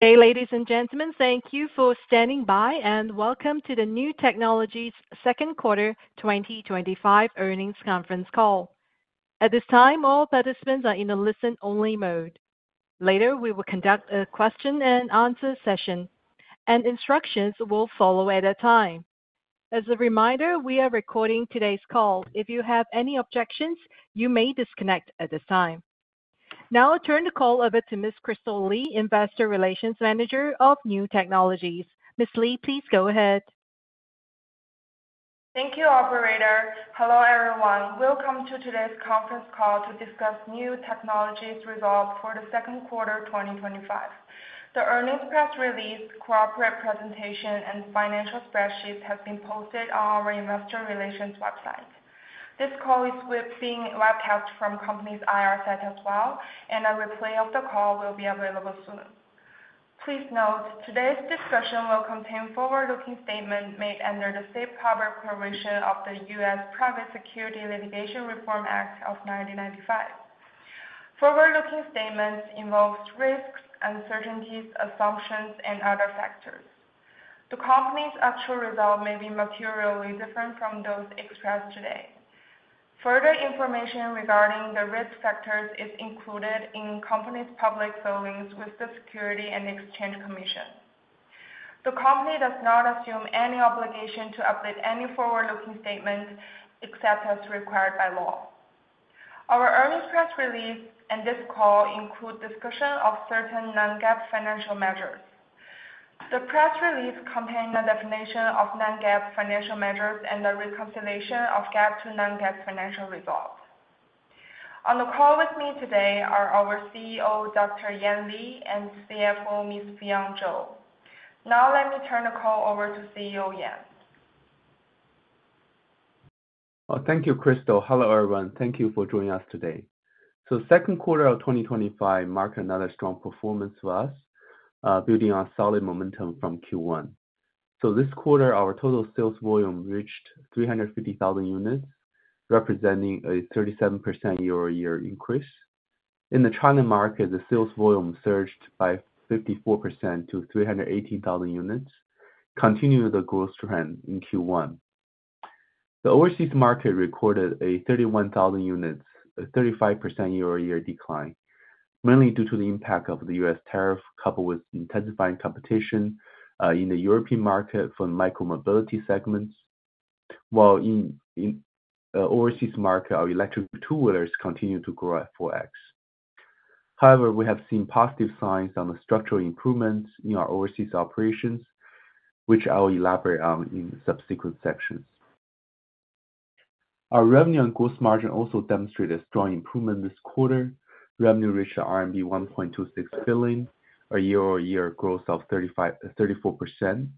Ladies and gentlemen, thank you for standing by and welcome to the Niu Technologies Second Quarter 2025 Earnings Conference Call. At this time, all participants are in a listen-only mode. Later, we will conduct a question-and-answer session, and instructions will follow at that time. As a reminder, we are recording today's call. If you have any objections, you may disconnect at this time. Now, I'll turn the call over to Ms. Kristal Li, Investor Relations Manager of Niu Technologies. Ms. Li, please go ahead. Thank you, operator. Hello everyone. Welcome to today's conference call to discuss Niu Technologies results for the second quarter 2025. The earnings press release, corporate presentation, and financial spreadsheet have been posted on our Investor Relations website. This call is being webcast from the company's IR site as well, and a replay of the call will be available soon. Please note, today's discussion will contain forward-looking statements made under the safe harbor provision of the U.S. Private Securities Litigation Reform Act of 1995. Forward-looking statements involve risks, uncertainties, assumptions, and other factors. The company's actual results may be materially different from those expressed today. Further information regarding the risk factors is included in the company's public filings with the Securities and Exchange Commission. The company does not assume any obligation to update any forward-looking statement except as required by law. Our earnings press release and this call include discussion of certain non-GAAP financial measures. The press release contains the definition of non-GAAP financial measures and the reconciliation of GAAP to non-GAAP financial results. On the call with me today are our CEO, Dr. Yan Li, and CFO, Ms. Fion Zhou. Now, let me turn the call over to CEO Yan. Thank you, Kristal. Hello everyone. Thank you for joining us today. The second quarter of 2025 marked another strong performance for us, building on solid momentum from Q1. This quarter, our total sales volume reached 350,000 units, representing a 37% year-over-year increase. In the China market, the sales volume surged by 54% to 318,000 units, continuing the growth trend in Q1. The overseas market recorded 31,000 units, a 35% year-over-year decline, mainly due to the impact of the U.S. tariffs, coupled with intensifying competition in the European market for the micro-mobility segments, while in the overseas market, our electric two-wheelers continue to grow at 4x. However, we have seen positive signs on the structural improvements in our overseas operations, which I will elaborate on in subsequent sections. Our revenue and gross margin also demonstrated a strong improvement this quarter. Revenue reached RMB 1.26 billion, a year-over-year growth of 34%,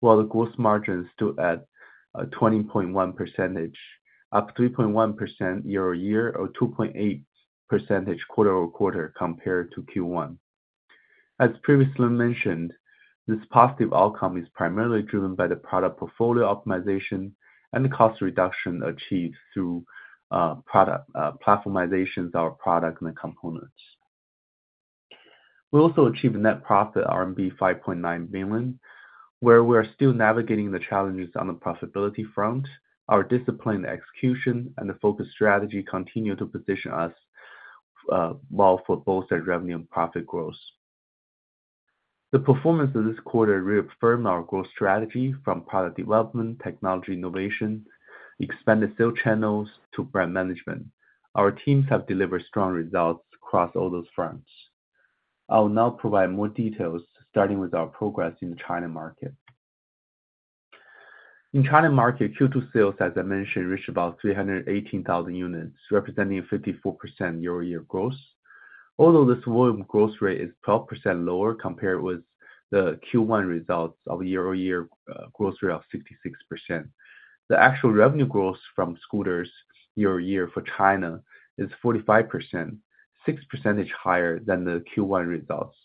while the gross margin stood at 20.1%, up 3.1% year-over-year, or 2.8% quarter-over-quarter compared to Q1. As previously mentioned, this positive outcome is primarily driven by the product portfolio optimization and the cost reduction achieved through platformization of our products and components. We also achieved a net profit of RMB 5.9 million, where we are still navigating the challenges on the profitability front. Our disciplined execution and the focused strategy continue to position us well for both revenue and profit growth. The performance of this quarter reaffirmed our growth strategy from product development, technology innovation, expanded sales channels, to brand management. Our teams have delivered strong results across all those fronts. I will now provide more details, starting with our progress in the China market. In the China market, Q2 sales, as I mentioned, reached about 318,000 units, representing a 54% year-over-year growth. Although this volume growth rate is 12% lower compared with the Q1 results of the year-over-year growth rate of 66%, the actual revenue growth from scooters year-over-year for China is 45%, 6% higher than the Q1 results.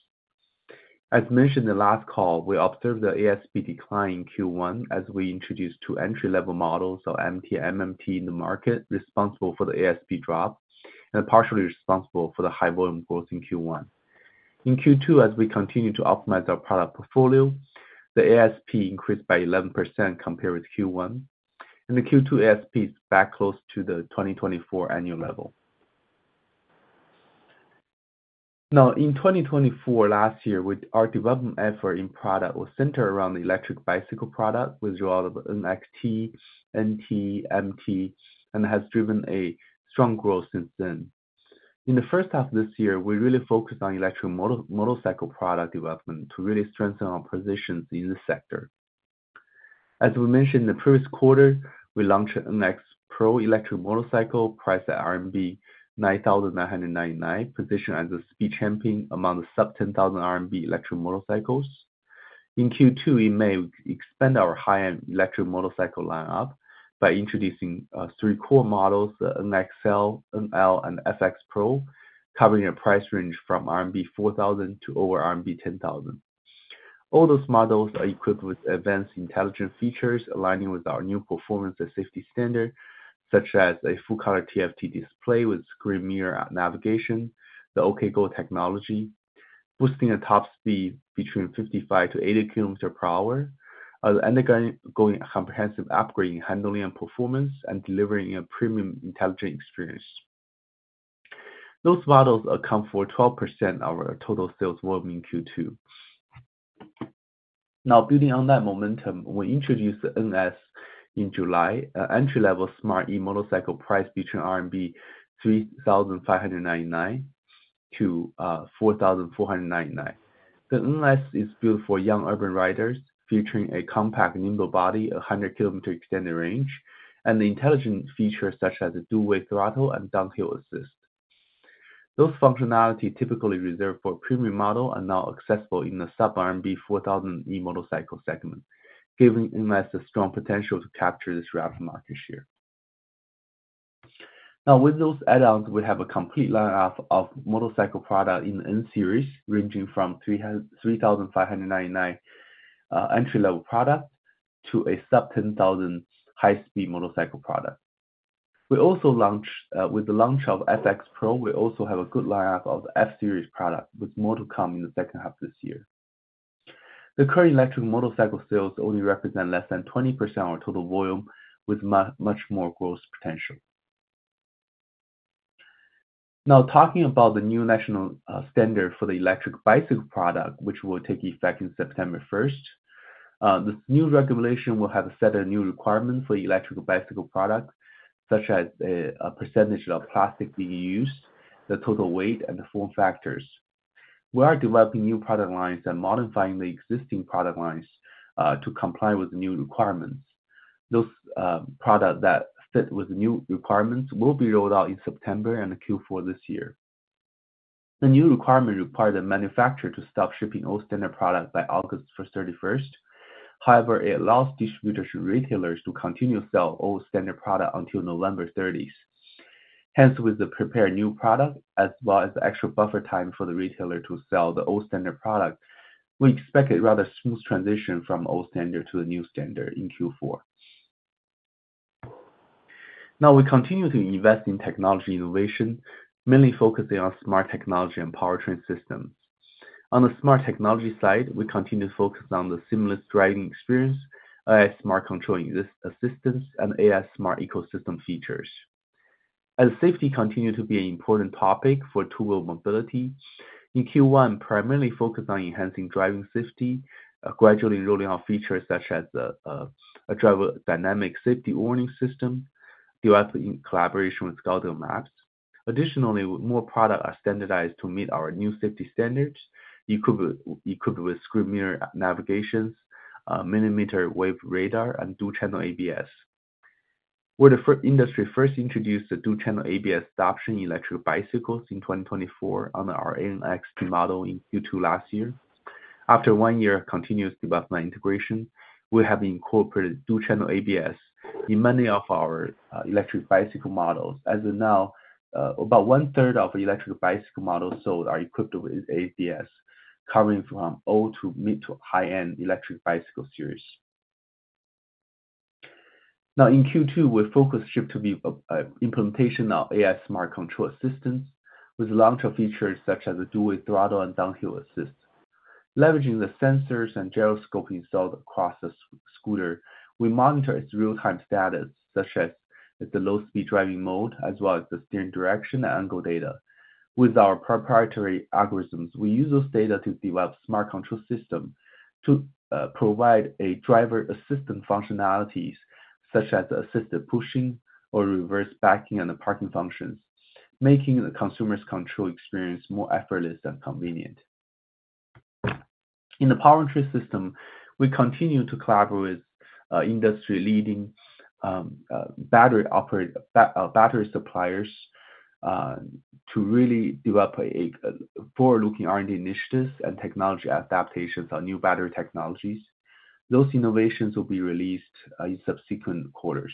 As mentioned in the last call, we observed the ASP decline in Q1 as we introduced two entry-level models of MT and MMT in the market, responsible for the ASP drop and partially responsible for the high volume growth in Q1. In Q2, as we continue to optimize our product portfolio, the ASP increased by 11% compared with Q1, and the Q2 ASP is back close to the 2024 annual level. Now, in 2024, last year, our development effort in product was centered around the electric bicycle product, with the role of NX, NL, MT, and has driven a strong growth since then. In the first half of this year, we really focused on electric motorcycle product development to really strengthen our positions in this sector. As we mentioned in the previous quarter, we launched NX Pro electric motorcycle, priced at RMB 9,999, positioned as a speed champion among the sub-RMB 10,000 electric motorcycles. In Q2, we may expand our high-end electric motorcycle lineup by introducing three core models: NXL, NL, and FX Pro, covering a price range from RMB 4,000 to over RMB 10,000. All those models are equipped with advanced intelligent features, aligning with our new performance and safety standards, such as a full-color TFT display with screen mirror navigation, the OKGO technology, boosting a top speed between 55 km/hr-80 km/hr and undergoing a comprehensive upgrade in handling and performance and delivering a premium intelligent experience. Those models account for 12% of our total sales volume in Q2. Now, building on that momentum, we introduced the NX in July, an entry-level smart e-motorcycle priced between RMB 3,599-RMB,499. The NX is built for young urban riders, featuring a compact, nimble body, a 100-km extended range, and the intelligent features such as a dual-way throttle and downhill assist. Those functionalities typically reserved for a premium model are now accessible in the sub-RMB 4,000 e-motorcycle segment, giving NX the strong potential to capture this round of market share. Now, with those add-ons, we have a complete lineup of motorcycle products in the N-Series, ranging from 3,599 entry-level products to a sub-RMB 10,000 high-speed motorcycle product. We also launched, with the launch of FX Pro, we also have a good lineup of F-Series products with more to come in the second half of this year. The current electric motorcycle sales only represent less than 20% of our total volume, with much more growth potential. Now, talking about the new national standard for the electric bicycle product, which will take effect on September 1st, the new regulation will have a set of new requirements for the electric bicycle products, such as a percentage of plastic being used, the total weight, and the form factors. We are developing new product lines and modifying the existing product lines to comply with the new requirements. Those products that fit with the new requirements will be rolled out in September and Q4 this year. The new requirement requires the manufacturer to stop shipping old standard products by August 31st. However, it allows distributors and retailers to continue to sell old standard products until November 30th. Hence, with the prepared new products, as well as the extra buffer time for the retailer to sell the old standard products, we expect a rather smooth transition from the old standard to the new standard in Q4. Now, we continue to invest in technology innovation, mainly focusing on smart technology and powertrain systems. On the smart technology side, we continue to focus on the seamless driving experience, AI smart control assistants, and AI smart ecosystem features. As safety continues to be an important topic for two-wheel mobility, in Q1, we primarily focused on enhancing driving safety, gradually rolling out features such as a driver dynamic safety warning system, developing in collaboration with Škoda Maps. Additionally, more products are standardized to meet our new safety standards, equipped with screen mirror navigation, millimeter-wave radar, and dual-channel ABS. We're the industry first to introduce the dual-channel ABS adoption in electric bicycles in 2024 under our NXL model in Q2 last year. After one year of continuous development and integration, we have incorporated dual-channel ABS in many of our electric bicycle models. As of now, about one-third of electric bicycle models sold are equipped with ABS, covering from old to mid to high-end electric bicycle series. Now, in Q2, we focused shift to the implementation of AI smart control assistants, with long-term features such as the dual-way throttle and downhill assist. Leveraging the sensors and gyroscopes installed across the scooter, we monitor its real-time status, such as the low-speed driving mode, as well as the steering direction and angle data. With our proprietary algorithms, we use those data to develop a smart control system to provide driver assistant functionalities, such as assisted pushing or reverse backing and the parking function, making the consumer's control experience more effortless and convenient. In the powertrain systems, we continue to collaborate with industry-leading battery suppliers to really develop forward-looking R&D initiatives and technology adaptations on new battery technologies. Those innovations will be released in subsequent quarters.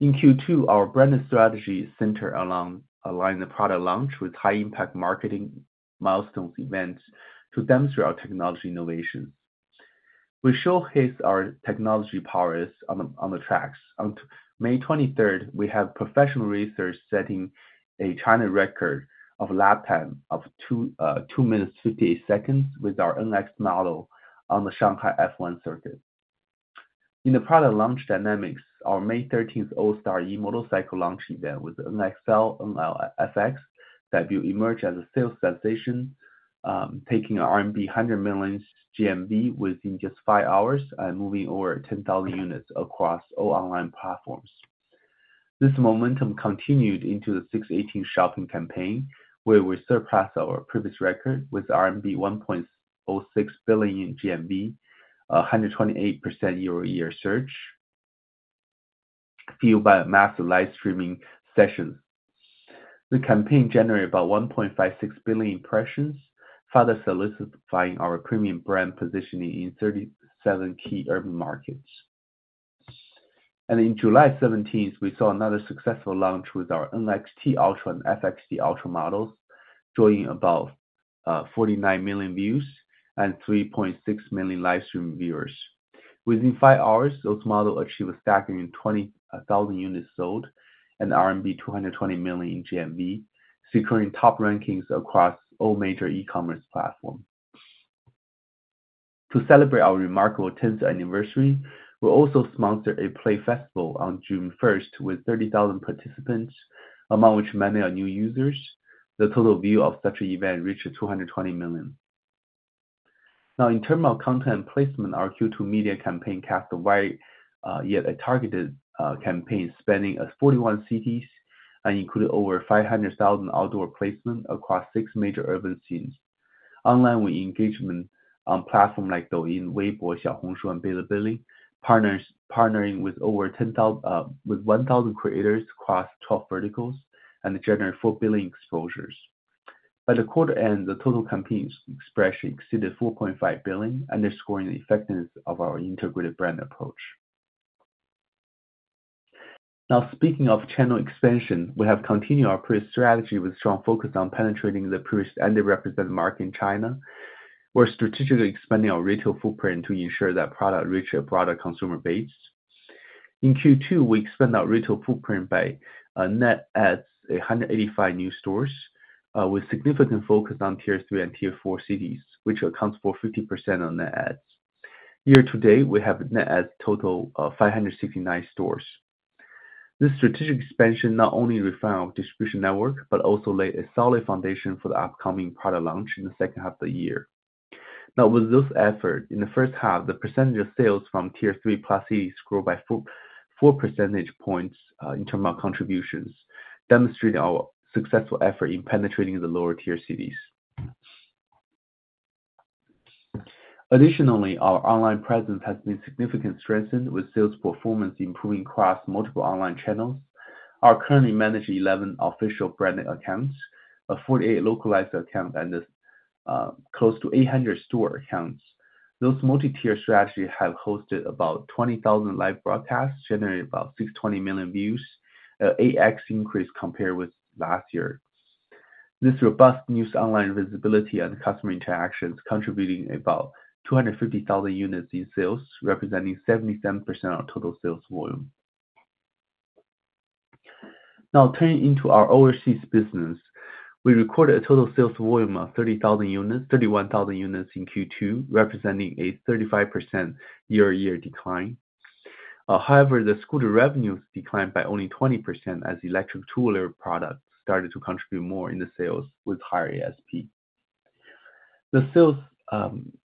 In Q2, our branded strategy centered around a product launch with high-impact marketing milestone events to demonstrate our technology innovation. We showcase our technology prowess on the tracks. On May 23rd, we had professional research setting a China record of lap time of 2 minutes 58 seconds with our NX model on the Shanghai F1 Circuit. In the product launch dynamics, our May 13 all-star e-motorcycle launch event with NXL, NL, and FX debuted emerged as a sales sensation, taking RMB 100 million GMV within just five hours and moving over 10,000 units across all online platforms. This momentum continued into the 6/18 shopping campaign, where we surpassed our previous record with RMB 1.06 billion GMV, a 128% year-over-year surge, fueled by a massive live streaming session. The campaign generated about 1.56 billion impressions, further solidifying our premium brand positioning in 37 key urban markets. On July 17th, we saw another successful launch with our NXL Ultra and FX Ultra models joining about 49 million views and 3.6 million live stream viewers. Within five hours, those models achieved a staggering 20,000 units sold and RMB 220 million in GMV, securing top rankings across all major e-commerce platforms. To celebrate our remarkable 10th anniversary, we also sponsored a play festival on June 1st with 30,000 participants, among which many are new users. The total view of such an event reached 220 million. Now, in terms of content and placement, our Q2 media campaign cast a wide yet targeted campaign spanning 41 cities and included over 500,000 outdoor placements across six major urban scenes. Online engagement on platforms like Douyin, Weibo, Xiaohongshu, and Bilibili, partnering with over 1,000 creators across 12 verticals, generated 4 billion exposures. By the quarter end, the total campaign spreadsheet exceeded 4.5 billion, underscoring the effectiveness of our integrated brand approach. Now, speaking of channel expansion, we have continued our previous strategy with a strong focus on penetrating the previously underrepresented market in China. We're strategically expanding our retail footprint to ensure that products reach a broader consumer base. In Q2, we expanded our retail footprint by net adds of 185 new stores, with significant focus on Tier 3 and Tier 4 cities, which accounts for 50% of net adds. Year to date, we have a net add total of 569 stores. This strategic expansion not only refined our distribution network but also laid a solid foundation for the upcoming product launch in the second half of the year. With this effort, in the first half, the percentage of sales from Tier 3 plus cities grew by 4 percentage points in terms of contributions, demonstrating our successful effort in penetrating the lower tier cities. Additionally, our online presence has been significantly strengthened with sales performance improving across multiple online channels. We currently manage 11 official branded accounts, 48 localized accounts, and close to 800 store accounts. This multi-tier strategy has hosted about 20,000 live broadcasts, generating about 620 million views, an 8X increase compared with last year. This robust new online visibility and customer interactions contributed to about 250,000 units in sales, representing 77% of total sales volume. Turning to our overseas business, we recorded a total sales volume of 31,000 units in Q2, representing a 35% year-over-year decline. However, the scooter revenues declined by only 20% as electric two-wheeler products started to contribute more in the sales with higher ASP.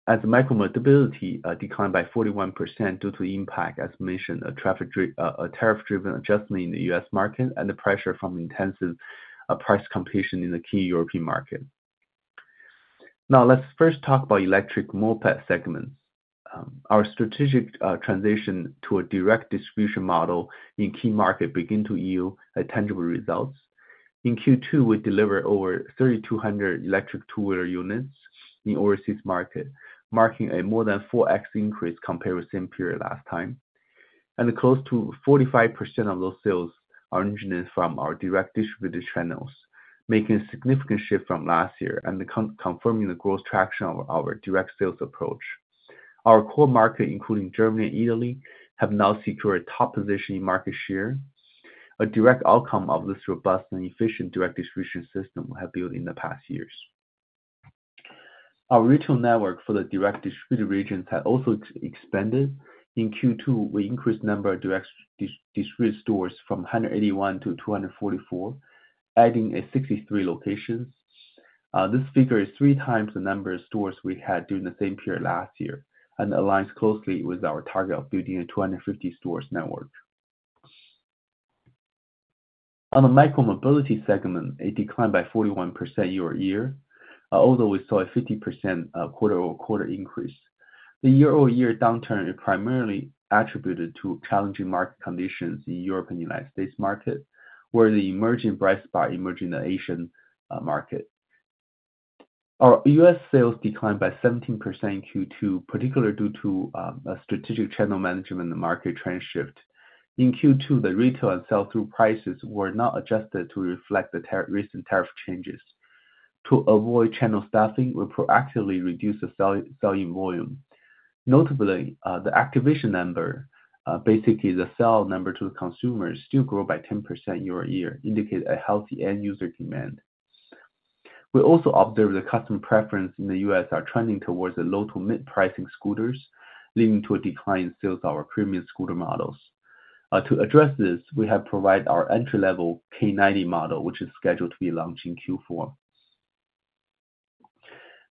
The sales in the micro-mobility declined by 41% due to the impact, as mentioned, of tariff-driven adjustment in the U.S. market and the pressure from intensive price competition in the key European markets. Let's first talk about the electric moped segment. Our strategic transition to a direct distribution model in key markets began to yield tangible results. In Q2, we delivered over 3,200 electric two-wheeler units in the overseas market, marking a more than 4x increase compared with the same period last time. Close to 45% of those sales are engineered from our direct distributed channels, making a significant shift from last year and confirming the growth traction of our direct sales approach. Our core markets, including Germany and Italy, have now secured a top position in market share, a direct outcome of this robust and efficient direct distribution model we have built in the past years. Our retail network for the direct distributed regions has also expanded. In Q2, we increased the number of direct distributed stores from 181-244, adding 63 locations. This figure is three times the number of stores we had during the same period last year and aligns closely with our target of building a 250-store network. On the micro-mobility segment, it declined by 41% year-over-year, although we saw a 50% quarter-over-quarter increase. The year-over-year downturn is primarily attributed to challenging market conditions in Europe and the United States. market, where the emerging bright spot emerged in the Asian market. Our U.S. sales declined by 17% in Q2, particularly due to a strategic channel management and market trend shift. In Q2, the retail and sell-through prices were not adjusted to reflect the recent tariff changes. To avoid channel stuffing, we proactively reduced the selling volume. Notably, the activation number, basically the sell number to the consumer, still grew by 10% year-over-year, indicating a healthy end-user demand. We also observed the customer preference in the U.S. is trending towards the low to mid-pricing scooters, leading to a decline in sales of our premium scooter models. To address this, we have provided our entry-level KQi model, which is scheduled to be launched in Q4.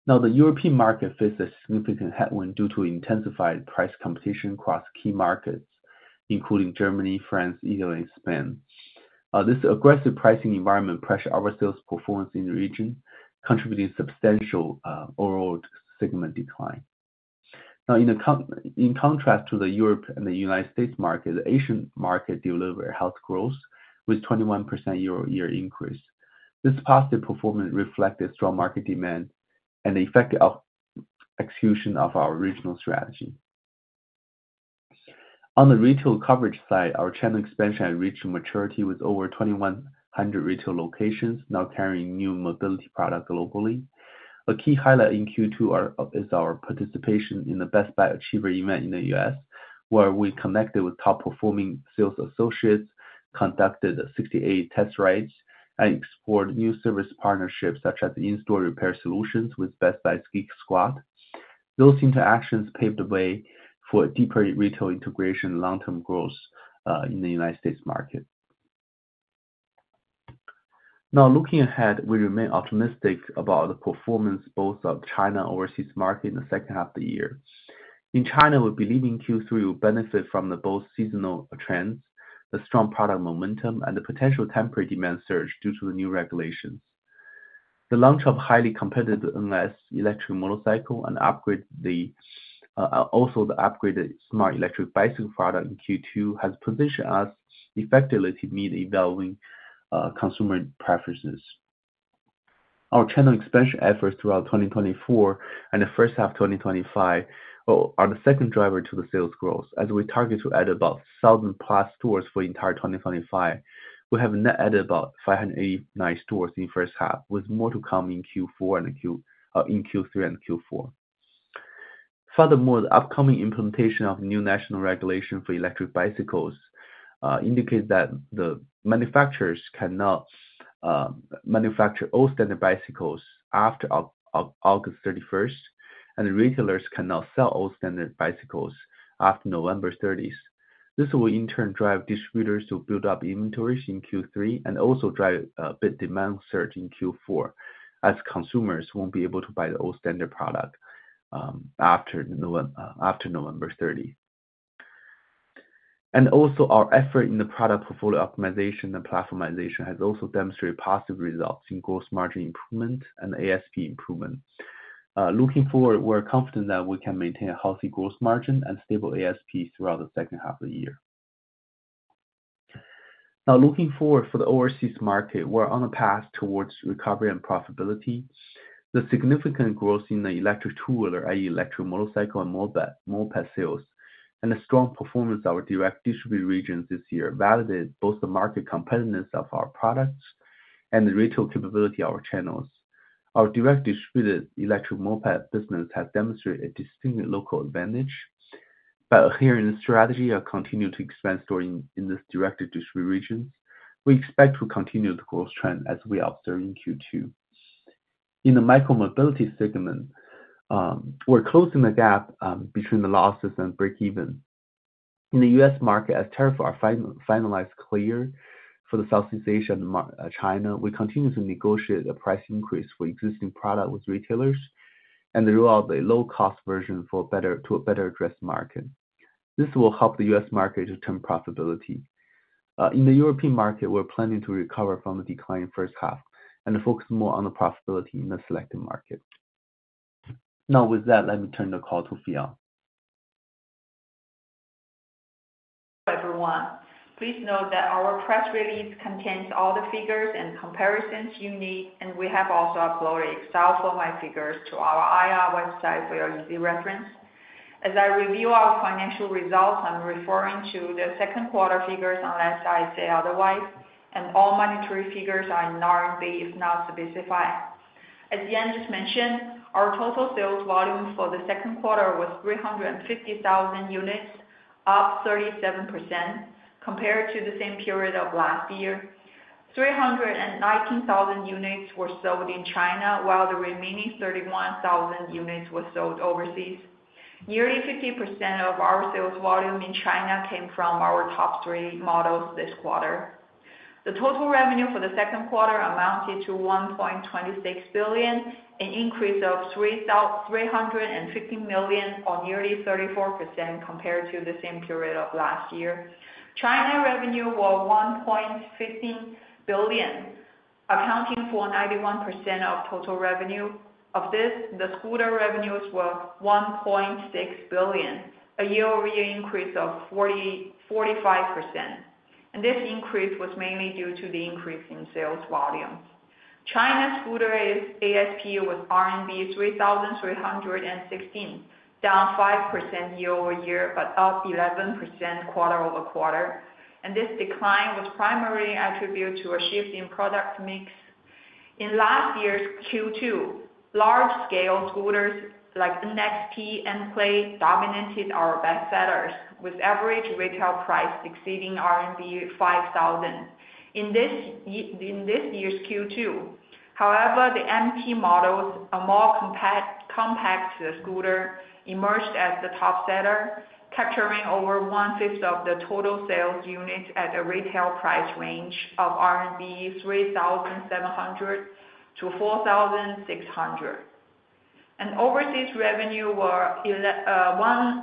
Now, the European market faces a significant headwind due to intensified price competition across key markets, including Germany, France, Italy, and Spain. This aggressive pricing environment pressures our sales performance in the region, contributing to substantial overall segment decline. In contrast to Europe and the United States market, the Asian market delivered a healthy growth with a 21% year-over-year increase. This positive performance reflects a strong market demand and the effective execution of our original strategy. On the retail coverage side, our channel expansion has reached maturity with over 2,100 retail locations now carrying new mobility products globally. A key highlight in Q2 is our participation in the Best Buy Achiever event in the U.S., where we connected with top-performing sales associates, conducted 68 test rides, and explored new service partnerships such as the in-store repair solutions with Best Buy's Geek Squad. Those interactions paved the way for deeper retail integration and long-term growth in the United States market. Now, looking ahead, we remain optimistic about the performance both of the China and overseas markets in the second half of the year. In China, we believe in Q3 will benefit from both seasonal trends, the strong product momentum, and the potential temporary demand surge due to the new regulations. The launch of a highly competitive NX electric motorcycle and also the upgraded smart electric bicycle product in Q2 has positioned us effectively to meet evolving consumer preferences. Our channel expansion efforts throughout 2024 and the first half of 2025 are the second driver to the sales growth. As we target to add about 1,000+ stores for the entire 2025, we have net added about 589 stores in the first half, with more to come in Q3 and Q4. Furthermore, the upcoming implementation of the new national regulation for electric bicycles indicates that the manufacturers cannot manufacture all standard bicycles after August 31st, and retailers cannot sell all standard bicycles after November 30th. This will, in turn, drive distributors to build up inventories in Q3 and also drive a big demand surge in Q4, as consumers won't be able to buy the all-standard product after November 30. Also, our effort in the product portfolio optimization and platformization has also demonstrated positive results in gross margin improvement and ASP improvement. Looking forward, we're confident that we can maintain a healthy gross margin and stable ASP throughout the second half of the year. Now, looking forward for the overseas market, we're on a path towards recovery and profitability. The significant growth in the electric two-wheeler, i.e., electric motorcycle and moped sales, and the strong performance of our direct distributed regions this year validate both the market competitiveness of our products and the retail capability of our channels. Our direct distributed electric moped business has demonstrated a distinct local advantage. Here in the strategy, I continue to expand storing in this direct distributed region. We expect to continue the growth trend as we observe in Q2. In the micro-mobility segment, we're closing the gap between the losses and break-even. In the U.S. market, as tariffs are finalized clear for Southeast Asia and China, we continue to negotiate a price increase for existing products with retailers and roll out a low-cost version to a better-dressed market. This will help the U.S. market to term profitability. In the European market, we're planning to recover from the decline in the first half and focus more on the profitability in the selected market. Now, with that, let me turn the call to Fion. Hi everyone. Please note that our press release contains all the figures and comparisons you need, and we have also uploaded Excel format figures to our IR website for your easy reference. As I review our financial results, I'm referring to the second quarter figures unless I say otherwise, and all monetary figures are in RMB if not specified. As Yan just mentioned, our total sales volume for the second quarter was 350,000 units, up 37% compared to the same period of last year. 319,000 units were sold in China, while the remaining 31,000 units were sold overseas. Nearly 50% of our sales volume in China came from our top three models this quarter. The total revenue for the second quarter amounted to 1.26 billion, an increase of 315 million or nearly 34% compared to the same period of last year. China revenue was 1.15 billion, accounting for 91% of total revenue. Of this, the scooter revenues were 1.6 billion, a year-over-year increase of 45%. This increase was mainly due to the increase in sales volume. China's scooter ASP was RMB 3,316, down 5% year-over-year, but up 11% quarter-over-quarter. This decline was primarily attributed to a shift in product mix. In last year's Q2, large-scale scooters like NX Pro and Play dominated our bestsellers, with average retail price exceeding RMB 5,000. In this year's Q2, however, the MT models, a more compact scooter, emerged as the top seller, capturing over one-fifth of the total sales units at a retail price range of 3,700-4,600 RMB. Overseas revenue was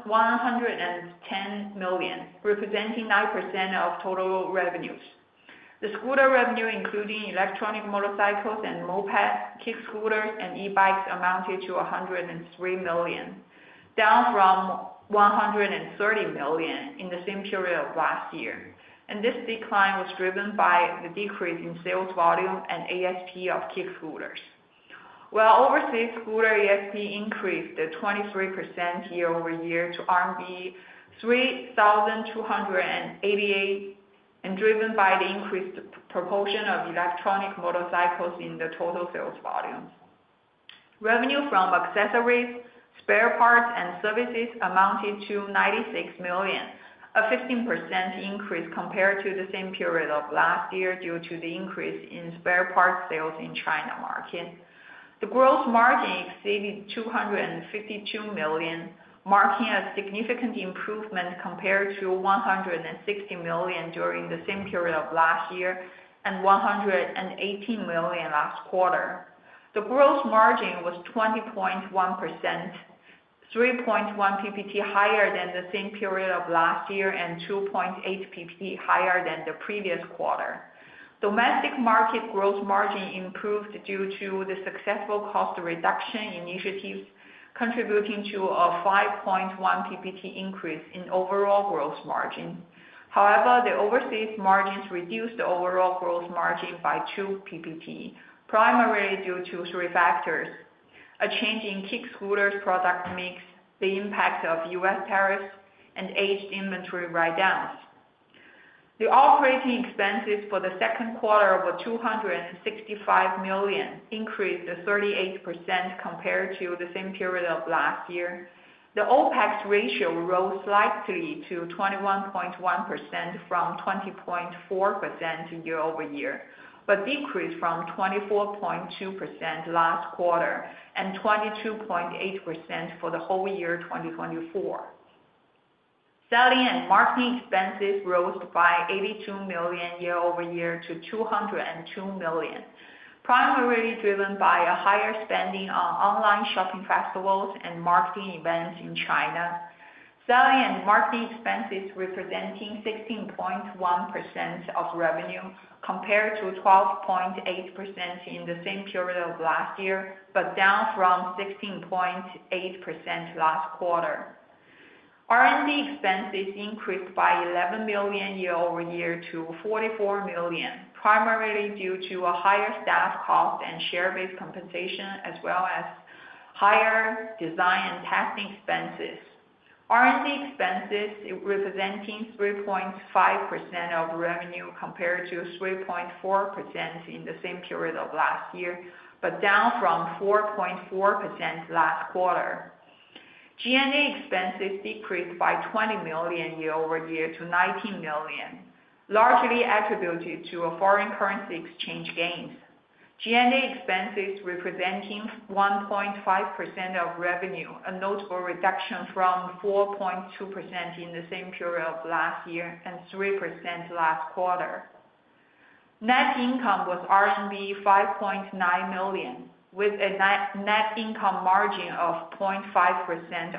110 million, representing 9% of total revenues. The scooter revenue, including electric motorcycles and mopeds, kick scooters, and e-bikes, amounted to 103 million, down from 130 million in the same period of last year. This decline was driven by the decrease in sales volume and ASP of kick scooters. While overseas scooter ASP increased 23% year-over-year to RMB 3,288, driven by the increased proportion of electric motorcycles in the total sales volumes. Revenue from accessories, spare parts, and services amounted to 96 million, a 15% increase compared to the same period of last year due to the increase in spare parts sales in the China market. The gross margin exceeded 252 million, marking a significant improvement compared to 160 million during the same period of last year and 118 million last quarter. The gross margin was 20.1%, 3.1 percentage points higher than the same period of last year and 2.8 percentage points higher than the previous quarter. Domestic market gross margin improved due to the successful cost reduction initiatives, contributing to a 5.1 percentage point increase in overall gross margin. However, the overseas margins reduced the overall gross margin by 2 percentage point, primarily due to three factors: a change in kick scooters' product mix, the impact of U.S. tariffs, and aged inventory write-downs. The operating expenses for the second quarter were 265 million, increased 38% compared to the same period of last year. The OpEx ratio rose slightly to 21.1% from 20.4% year-over-year, but decreased from 24.2% last quarter and 22.8% for the whole year 2024. Selling and marketing expenses rose by 82 million year-over-year to 202 million, primarily driven by a higher spending on online shopping festivals and marketing events in China. Selling and marketing expenses represent 16.1% of revenue compared to 12.8% in the same period of last year, but down from 16.8% last quarter. R&D expenses increased by 11 million year-over-year to 44 million, primarily due to a higher staff cost and share-based compensation, as well as higher design and testing expenses. R&D expenses represent 3.5% of revenue compared to 3.4% in the same period of last year, but down from 4.4% last quarter. G&A expenses decreased by 20 million year-over-year to 19 million, largely attributed to foreign currency exchange gains. G&A expenses represent 1.5% of revenue, a notable reduction from 4.2% in the same period of last year and 3% last quarter. Net income was RMB 5.9 million, with a net income margin of 0.5%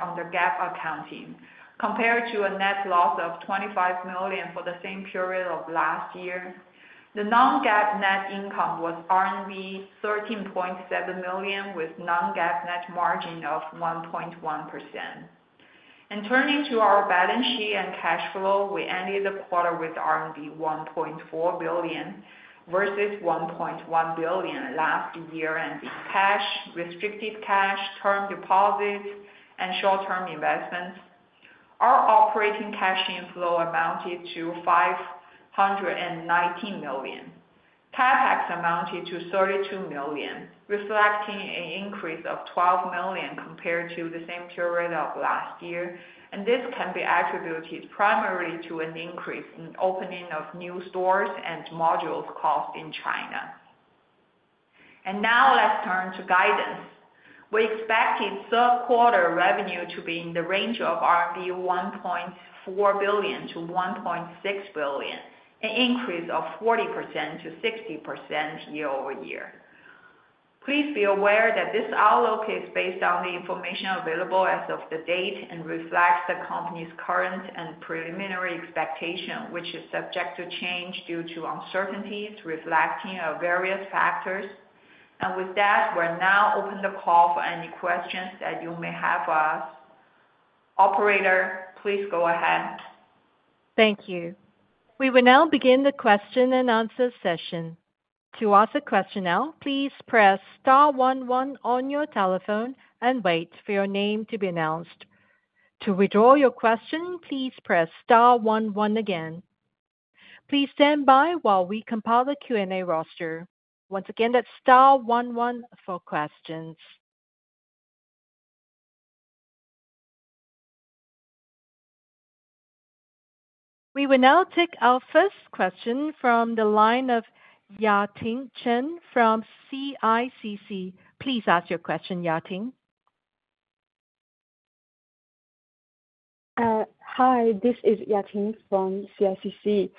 under GAAP accounting, compared to a net loss of 25 million for the same period of last year. The non-GAAP net income was RMB 13.7 million, with a non-GAAP net margin of 1.1%. Turning to our balance sheet and cash flow, we ended the quarter with 1.4 billion versus 1.1 billion last year-ending cash, restricted cash, term deposits, and short-term investments. Our operating cash inflow amounted to 519 million. Tariffs amounted to 32 million, reflecting an increase of 12 million compared to the same period of last year, and this can be attributed primarily to an increase in the opening of new stores and modules costs in China. Now, let's turn to guidance. We expected third quarter revenue to be in the range of 1.4 billion-1.6 billion RMB, an increase of 40%-60% year-over-year. Please be aware that this outlook is based on the information available as of the date and reflects the company's current and preliminary expectation, which is subject to change due to uncertainties reflecting various factors. We are now open to the call for any questions that you may have for us. Operator, please go ahead. Thank you. We will now begin the question-and-answer session. To ask a question now, please press Star, one, one on your telephone and wait for your name to be announced. To withdraw your question, please press Star, one, one again. Please stand by while we compile the Q&A roster. Once again, that's Star, one, one for questions. We will now take our first question from the line of Yating Chen from CICC. Please ask your question, Yating. Hi, this is Yating from CICC.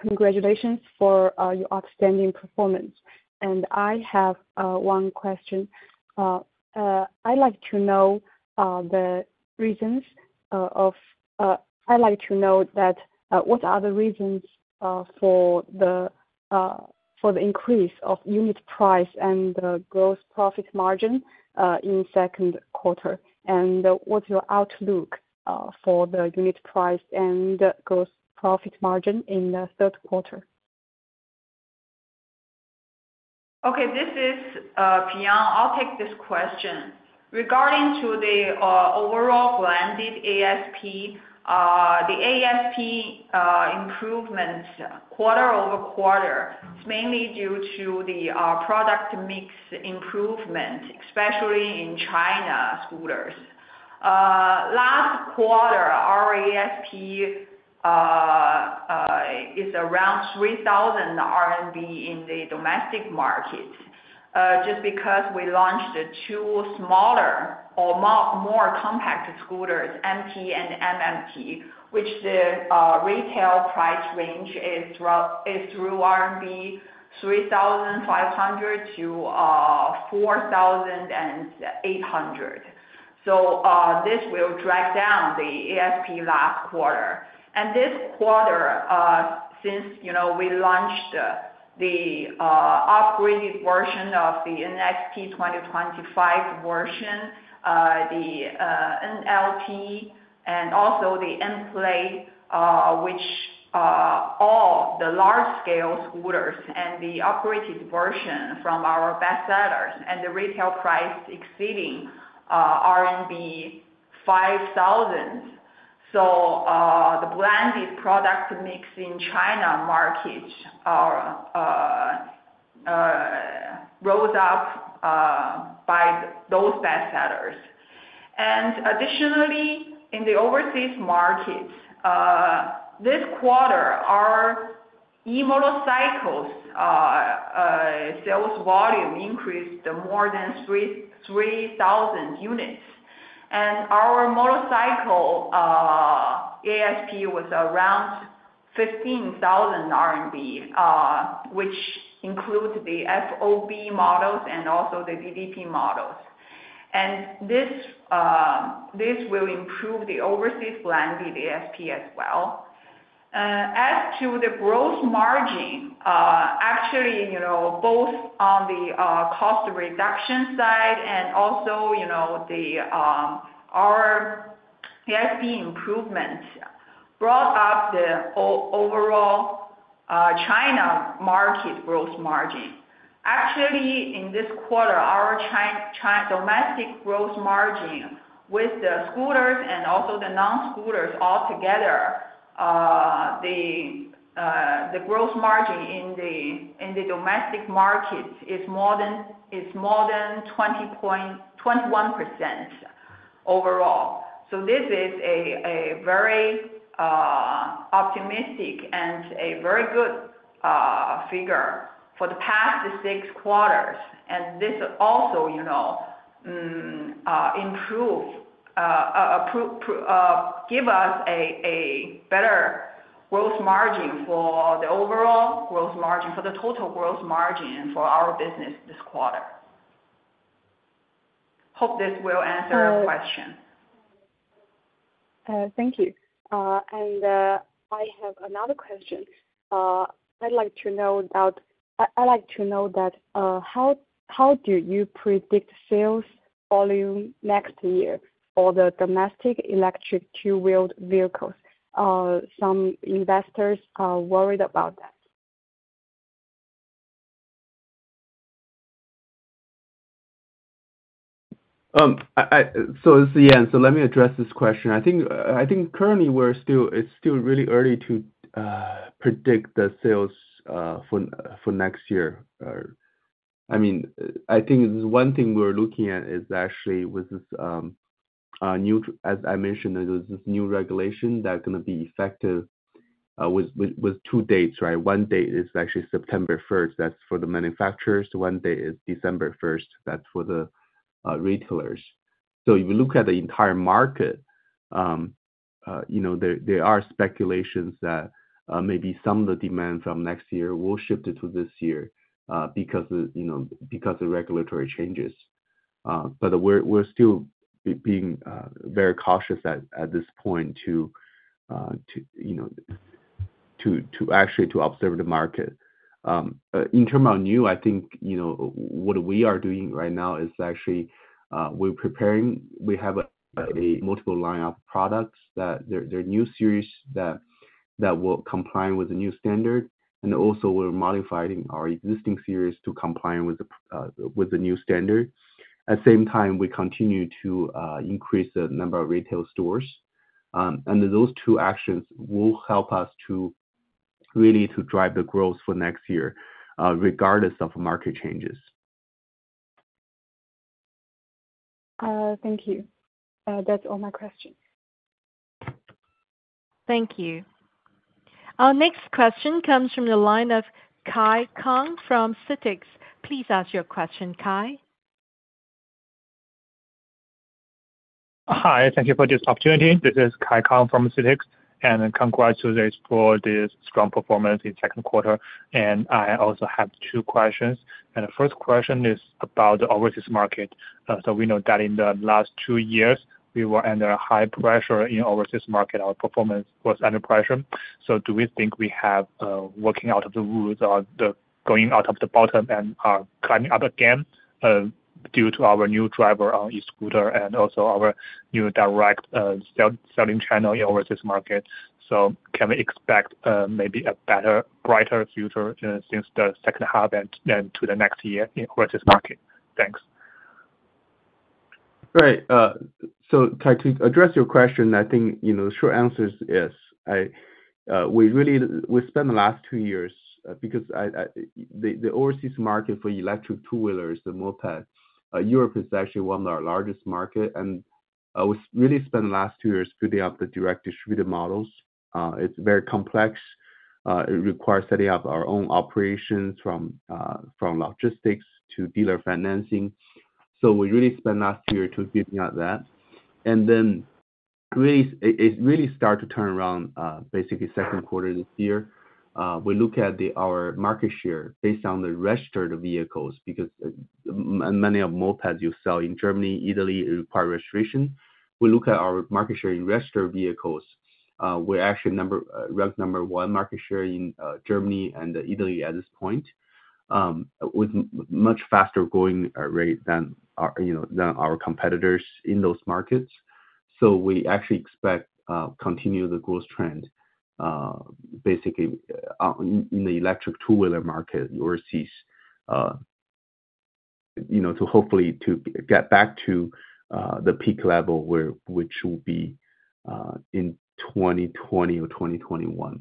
Congratulations for your outstanding performance. I have one question. I'd like to know what are the reasons for the increase of unit price and gross margin in the second quarter? What's your outlook for the unit price and gross margin in the third quarter? Okay, this is Fion. I'll take this question. Regarding the overall branded ASP, the ASP improvements quarter over quarter, mainly due to the product mix improvement, especially in China scooters. Last quarter, our ASP is around 3,000 RMB in the domestic markets, just because we launched two smaller or more compact scooters, MT and MMT, which the retail price range is through 3,500-4,800 RMB. This will drag down the ASP last quarter. This quarter, since we launched the upgraded version of the NX 2025 version, the NXL, and also the NPlay, which are all the large-scale scooters and the upgraded version from our bestsellers, and the retail price exceeding RMB 5,000. The branded product mix in China markets rose up by those bestsellers. Additionally, in the overseas markets, this quarter, our e-motorcycles sales volume increased more than 3,000 units. Our motorcycle ASP was around 15,000 RMB, which includes the FOB models and also the DDT models. This will improve the overseas branded ASP as well. As to the gross margin, actually, you know, both on the cost reduction side and also our ASP improvements brought up the overall China market gross margin. Actually, in this quarter, our domestic gross margin with the scooters and also the non-scooters altogether, the gross margin in the domestic market is more than 21% overall. This is a very optimistic and a very good figure for the past six quarters. This also improves, gives us a better gross margin for the overall gross margin, for the total gross margin for our business this quarter. Hope this will answer your question. Thank you. I have another question. I'd like to know how do you predict sales volume next year for the domestic electric two-wheeled vehicles? Some investors are worried about that. This is Yan. Let me address this question. I think currently it's still really early to predict the sales for next year. I mean, the one thing we're looking at is actually with this new, as I mentioned, this new regulation that's going to be effective with two dates, right? One date is actually September 1st. That's for the manufacturers. One date is December 1st. That's for the retailers. If you look at the entire market, there are speculations that maybe some of the demand from next year will shift to this year because of regulatory changes. We're still being very cautious at this point to actually observe the market. In terms of Niu, what we are doing right now is actually we're preparing. We have multiple lineup products, the new series that will comply with the new standard, and also we're modifying our existing series to comply with the new standard. At the same time, we continue to increase the number of retail stores. Those two actions will help us to really drive the growth for next year, regardless of market changes. Thank you. That's all my questions. Thank you. Our next question comes from the line of Kai Kang from CITIC. Please ask your question, Kai. Hi, thank you for this opportunity. This is Kai Kang from CITIC. Congratulations for this strong performance in the second quarter. I also have two questions. The first question is about the overseas market. We know that in the last two years, we were under high pressure in the overseas market. Our performance was under pressure. Do we think we have worked out of the woods or going out of the bottom and climbing up again due to our new driver on e-scooter and also our new direct distribution model in the overseas market? Can we expect maybe a better, brighter future since the second half and to the next year in the overseas market? Thanks. Right. Kai, to address your question, I think the short answer is yes. We really spent the last two years because the overseas market for electric two-wheelers, the mopeds, Europe is actually one of our largest markets. We really spent the last two years building up the direct distribution model. It's very complex. It requires setting up our own operations from logistics to dealer financing. We really spent the last two years to build up that. It really started to turn around basically the second quarter of this year. We looked at our market share based on the registered vehicles because many of the mopeds you sell in Germany, Italy require registration. We looked at our market share in registered vehicles. We're actually ranked number one market share in Germany and Italy at this point, with a much faster growing rate than our competitors in those markets. We actually expect to continue the growth trend basically in the electric two-wheeler market overseas, to hopefully get back to the peak level, which will be in 2020 or 2021.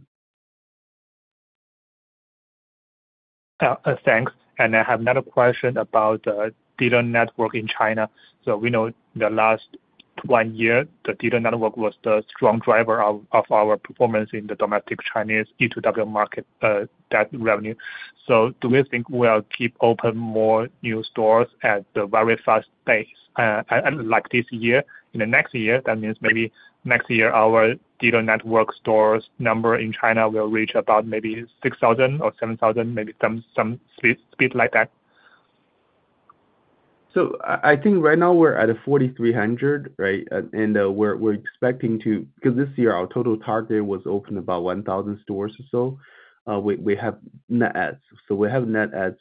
Thanks. I have another question about the dealer network in China. We know the last one year, the dealer network was the strong driver of our performance in the domestic Chinese E2W market revenue. Do we think we'll keep open more new stores at the very fast pace, like this year and the next year? That means maybe next year our dealer network stores' number in China will reach about maybe 6,000 or 7,000, maybe some speed like that. I think right now we're at 4,300, right? We're expecting to, because this year our total target was to open about 1,000 stores or so. We have net adds. We have net adds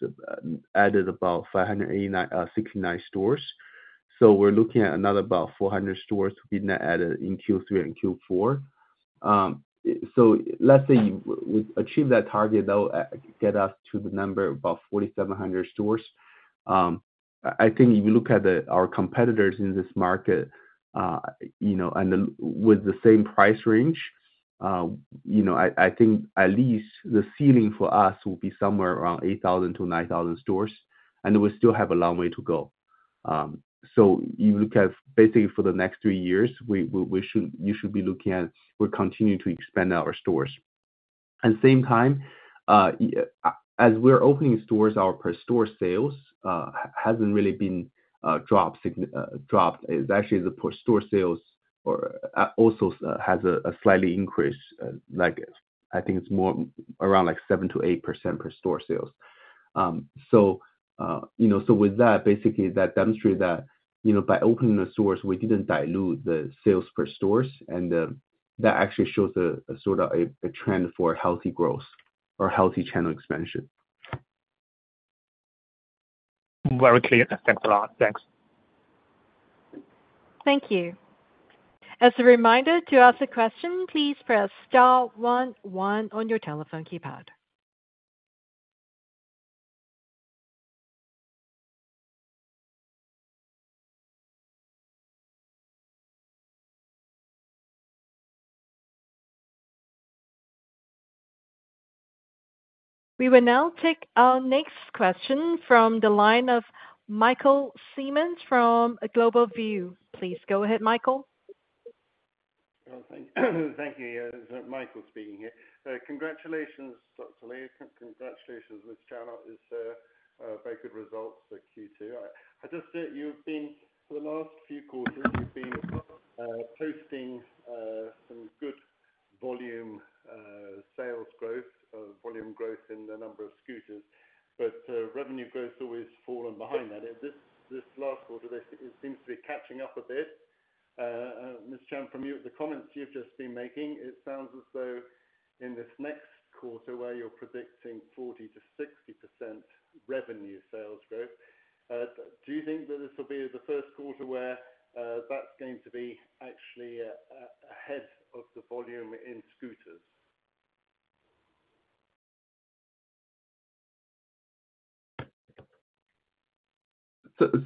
added about 689 stores. We're looking at another about 400 stores to be net added in Q3 and Q4. Let's say we achieve that target, that will get us to the number of about 4,700 stores. If you look at our competitors in this market, you know, and with the same price range, I think at least the ceiling for us will be somewhere around 8,000-9,000 stores. We still have a long way to go. If you look at basically for the next three years, you should be looking at we're continuing to expand our stores. At the same time, as we're opening stores, our per-store sales hasn't really dropped. It's actually the per-store sales also has a slight increase. I think it's more around 7%-8% per-store sales. With that, basically that demonstrates that by opening the stores, we didn't dilute the sales per store. That actually shows a sort of a trend for healthy growth or healthy channel expansion. Very clear. Thanks a lot. Thanks. Thank you. As a reminder, to ask a question, please press Star, one, one on your telephone keypad. We will now take our next question from the line of Michael Simmonds from Global View. Please go ahead, Michael. Thank you. Yeah, it's Michael speaking here. Congratulations, Dr. Yan Li. Congratulations. This channel is a very good result for Q2. I just see that you've been, for the last few quarters, you've been posting some good volume sales growth, volume growth in the number of scooters. Revenue growth has always fallen behind that. This last quarter, it seems to be catching up a bit. From you, the comments you've just been making, it sounds as though in this next quarter where you're predicting 40%-60% revenue sales growth, do you think that this will be the first quarter where that's going to be actually ahead of the volume in scooters?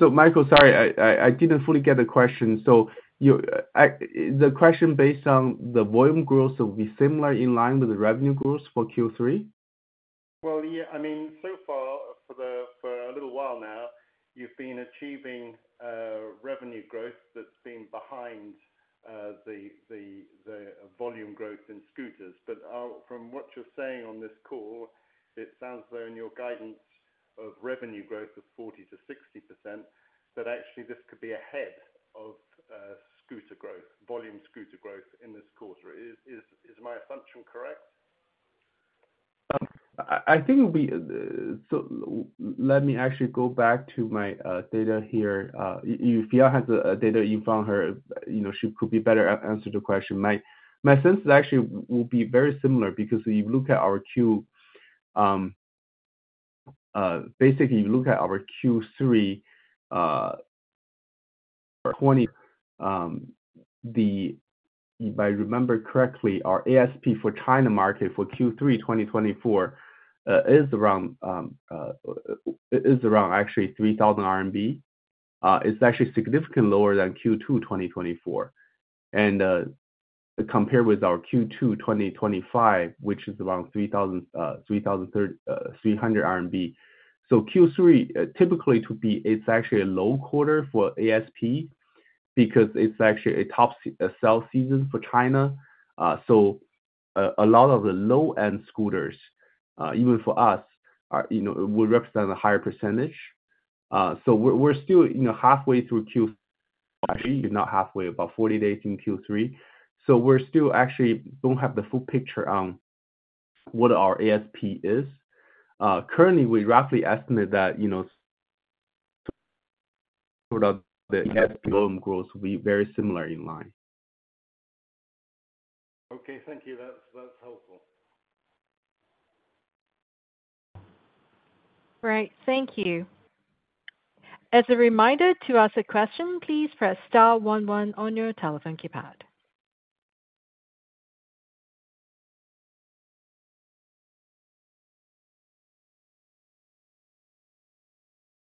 Michael, sorry, I didn't fully get the question. The question based on the volume growth will be similar in line with the revenue growth for Q3? I mean, so far for a little while now, you've been achieving revenue growth that's been behind the volume growth in scooters. From what you're saying on this call, it sounds as though in your guidance of revenue growth of 40%-60%, that actually this could be ahead of volume scooter growth in this quarter. Is my assumption correct? I think it will be. Let me actually go back to my data here. If Fion has the data in front of her, she could be better at answering the question. My sense is actually it will be very similar because if you look at our Q, basically, if you look at our Q3 for 2020, if I remember correctly, our ASP for China market for Q3 2024 is around actually 3,000 RMB. It's actually significantly lower than Q2 2024. Compared with our Q2 2025, which is around 3,300. Q3 typically is actually a low quarter for ASP because it's actually a top sell season for China. A lot of the low-end scooters, even for us, would represent a higher percentage. We're still halfway through Q3, actually, not halfway, about 40 days in Q3. We still actually don't have the full picture on what our ASP is. Currently, we roughly estimate that the volume growth will be very similar in line. Okay, thank you. That's helpful. All right, thank you. As a reminder, to ask a question, please press Star, one, one on your telephone keypad.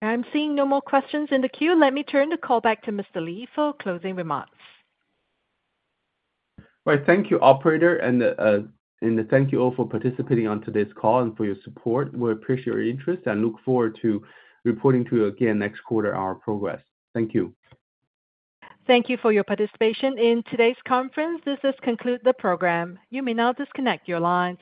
I'm seeing no more questions in the queue. Let me turn the call back to Mr. Li for closing remarks. All right, thank you, operator. Thank you all for participating on today's call and for your support. We appreciate your interest and look forward to reporting to you again next quarter on our progress. Thank you. Thank you for your participation in today's conference. This concludes the program. You may now disconnect your lines.